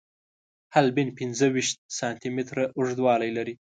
حالبین پنځه ویشت سانتي متره اوږدوالی لري.